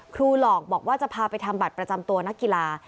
หลอกบอกว่าจะพาไปทำบัตรประจำตัวนักกีฬา